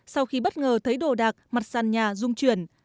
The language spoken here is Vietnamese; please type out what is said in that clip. sau khi bất ngờ thấy đồ đạc mặt sàn nhà dung chuyển